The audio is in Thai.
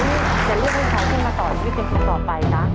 นี่จะเลือกให้ขอขึ้นมาต่อชีวิตชีวิตชีวิตต่อไปนะ